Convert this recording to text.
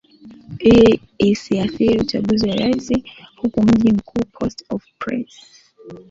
ili isiathiri uchaguzi wa rais huku mji mkuu port of prince